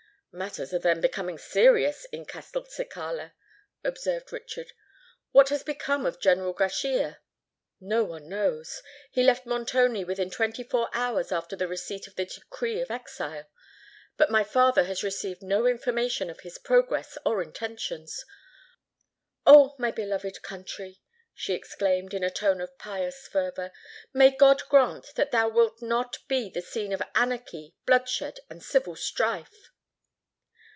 "Matters are then becoming serious in Castelcicala," observed Richard. "What has become of General Grachia?" "No one knows. He left Montoni within twenty four hours after the receipt of the decree of exile; but my father has received no information of his progress or intentions. Oh! my beloved country," she exclaimed, in a tone of pious fervour, "may God grant that thou wilt not be the scene of anarchy, bloodshed, and civil strife!"